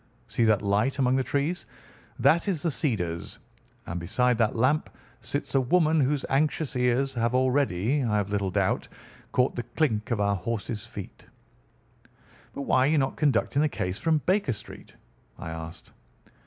See that light among the trees? That is The Cedars, and beside that lamp sits a woman whose anxious ears have already, I have little doubt, caught the clink of our horse's feet." "But why are you not conducting the case from Baker Street?" I asked.